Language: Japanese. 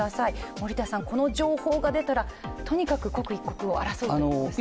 森田さん、この情報が出たら、とにかく刻一刻を争うんですね。